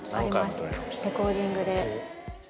レコーディングで。